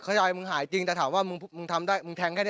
ยายมึงหายจริงแต่ถามว่ามึงทำได้มึงแทงแค่นี้